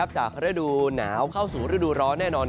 กระดูกหนาวเข้าสู่ฤดูร้อนแน่นอน